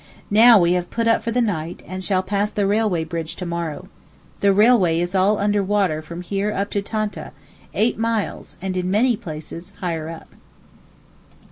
Now we have put up for the night, and shall pass the railway bridge to morrow. The railway is all under water from here up to Tantah—eight miles—and in many places higher up.